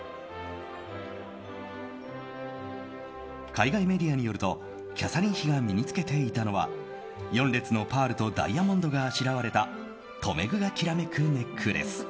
海外メディアによるとキャサリン妃が身に着けていたのは４列のパールとダイヤモンドがあしらわれた留め具がきらめくネックレス。